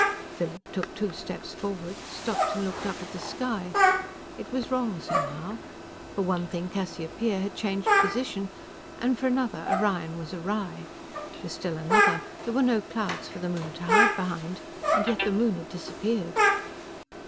Philip took two steps forward, stopped and looked up at the sky. It was wrong somehow. For one thing, Cassiopeia had changed position, and for another, Orion was awry. For still another, there were no clouds for the moon to hide behind, and yet the moon had disappeared.